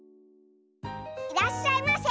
いらっしゃいませ。